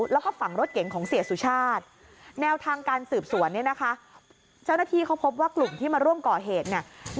แล้วก็ฝั่งรถเก๋งของเสียสุชาติแนวทางการสืบสวนเนี่ยนะคะเจ้าหน้าที่เขาพบว่ากลุ่มที่มาร่วมก่อเหตุเนี่ย